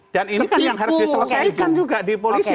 dan ini kan yang harus diselesaikan juga di polisi